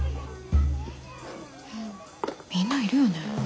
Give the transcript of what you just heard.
みんないるよね？